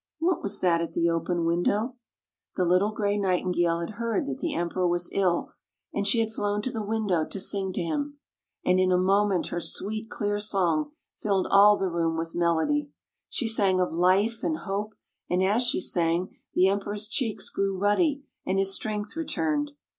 What was that at the open window? The little gray Nightingale had heard that the Emperor was ill, and she had flown to the window to sing to him. And in a moment her sweet, clear song filled all the room with melody. She sang of life, and hope, and as she sang the Emperor's cheeks grew ruddy, and his strength returned.